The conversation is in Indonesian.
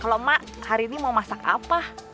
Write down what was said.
kalo emak hari ini mau masak apa